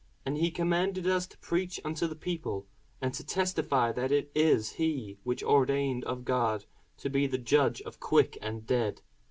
And he commanded us to preach unto the people, and to testify that it is he which was ordained of God to be the Judge of quick and dead.